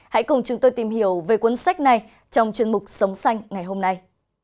hãy cùng chúng tôi tìm hiểu về cuốn sách này trong chuyên mục sống xanh ngày hôm nay